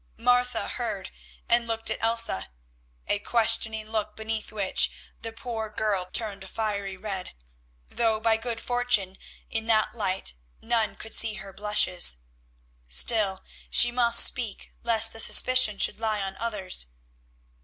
Martha heard, and looked at Elsa, a questioning look beneath which the poor girl turned a fiery red, though by good fortune in that light none could see her blushes. Still, she must speak lest the suspicion should lie on others.